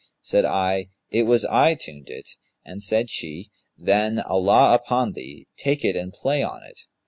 Said I, 'It was I tuned it;' and said she, 'Then, Allah upon thee, take it and play on it!'